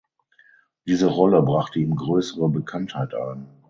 Diese Rolle brachte ihm größere Bekanntheit ein.